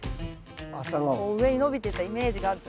こう上に伸びてたイメージがあるんです。